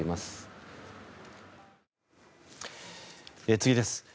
次です。